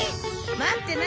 待ってな！